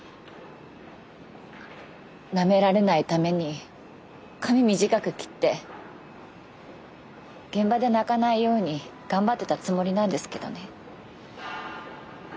なめられないために髪短く切って現場で泣かないように頑張ってたつもりなんですけどね。